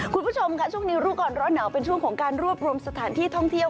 คุณผู้ชมค่ะช่วงนี้รู้ก่อนร้อนหนาวเป็นช่วงของการรวบรวมสถานที่ท่องเที่ยว